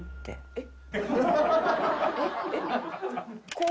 えっ！？